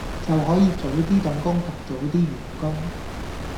就可以早啲動工同早啲完工